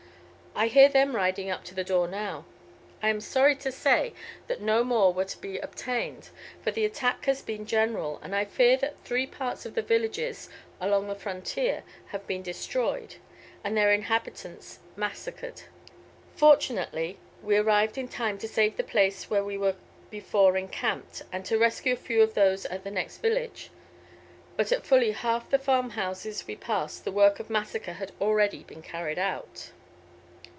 I hear them riding up to the door now. I am sorry to say that no more were to be obtained, for the attack has been general, and I fear that three parts of the villages along the frontier have been destroyed, and their inhabitants massacred. Fortunately we arrived in time to save the place where we were before encamped, and to rescue a few of those at the next village. But at fully half the farmhouses we passed the work of massacre had already been carried out."